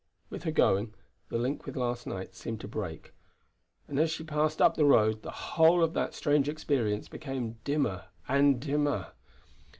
With her going, the link with last night seemed to break, and as she passed up the road the whole of that strange experience became dimmer and dimmer.